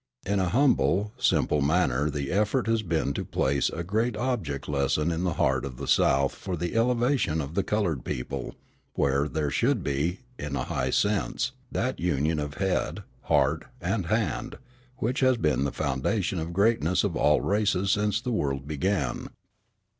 In a humble, simple manner the effort has been to place a great object lesson in the heart of the South for the elevation of the coloured people, where there should be, in a high sense, that union of head, heart, and hand which has been the foundation of the greatness of all races since the world began.